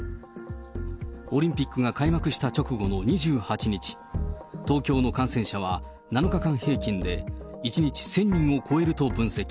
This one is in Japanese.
オリンピックが開幕した直後の２８日、東京の感染者は７日間平均で１日１０００人を超えると分析。